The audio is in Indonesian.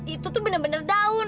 itu tuh bener bener daun